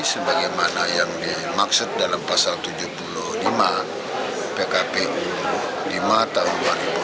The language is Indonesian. sebagaimana yang dimaksud dalam pasal tujuh puluh lima pkpu lima tahun dua ribu dua puluh